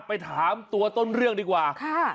ไปถามตัวต้นเรื่องดีกว่าค่ะ